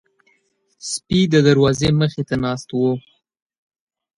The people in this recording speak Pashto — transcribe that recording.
سپي د دروازې مخې ته ناست وو.